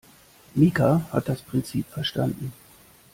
Mika hat das Prinzip verstanden.